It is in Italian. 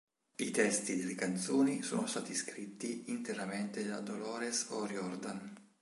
I testi delle canzoni sono stati scritti interamente da Dolores O'Riordan.